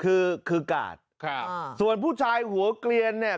ค่ะคือกาดค่ะอ่าส่วนผู้ชายหัวกเลียนเนี้ย